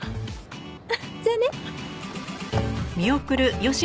じゃあね。